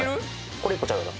これ１歩ちゃうよな？